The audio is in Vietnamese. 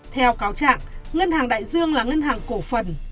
theo cáo trạng ngân hàng đại dương là ngân hàng cổ phần